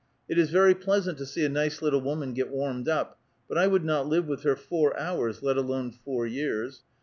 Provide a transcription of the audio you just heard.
It is very pleas ant to see a nice little woman get warmed up ; but 1 would not live with her four houi*s, let alone four years.